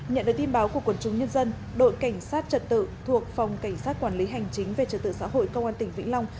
nhận được tin báo của quần chúng nhân dân đội cảnh sát trật tự thuộc phòng cảnh sát quản lý hành chính về trật tự xã hội công an tỉnh vĩnh long